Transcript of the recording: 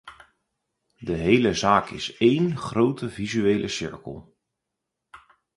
De hele zaak is één grote vicieuze cirkel.